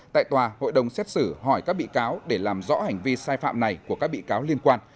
tại tòa hội đồng xét xử hỏi các bị cáo để làm rõ hành vi sai phạm này của các bị cáo liên quan